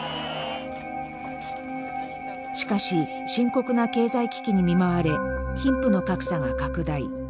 しかし深刻な経済危機に見舞われ貧富の格差が拡大。